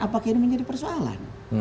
apakah ini menjadi persoalan